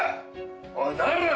おい誰だ！？